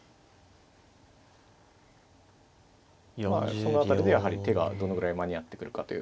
その辺りでやはり手がどのぐらい間に合ってくるかという。